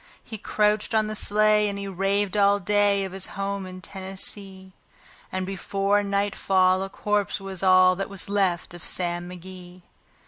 He crouched on the sleigh, and he raved all day of his home in Tennessee; And before nightfall a corpse was all that was left of Sam McGee.